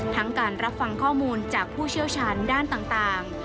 การรับฟังข้อมูลจากผู้เชี่ยวชาญด้านต่าง